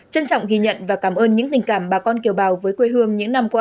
trân trọng ghi nhận và cảm ơn những tình cảm bà con kiều bào với quê hương những năm qua